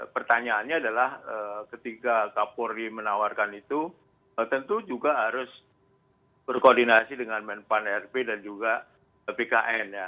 pertanyaannya adalah ketika kapolri menawarkan itu tentu juga harus berkoordinasi dengan menpan rp dan juga bkn ya